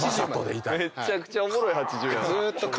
めっちゃくちゃおもろい８０やな。